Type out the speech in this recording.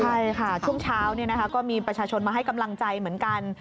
ใช่ค่ะช่วงเช้าก็มีประชาชนมาให้กำลังใจเหมือนกัน